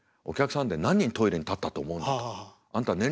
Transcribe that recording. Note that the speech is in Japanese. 「お客さんで何人トイレに立ったと思うんだ」と。